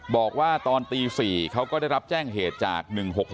บอกว่าตอนตี๔เขาก็ได้รับแจ้งเหตุจาก๑๖๖